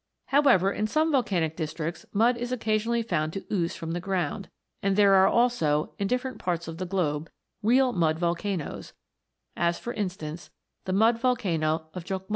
However, in some volcanic districts mud is occa sionally found to ooze from the ground, and there are also, in different parts of the globe, real mud volcanoes, as for instance, the mud volcano of Jok 296 PLUTO'S KINGDOM.